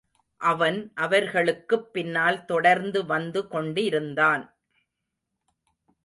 அவன் அவர்களுக்குப் பின்னால் தொடர்ந்து வந்து கொண்டிருந்தான்.